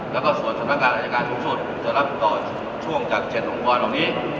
แล้วก็ส่วนสถานการณ์อาจารย์การทุกสุดจะรับต่อช่วงจากเจ็ดโรงพยาบาลตรงนี้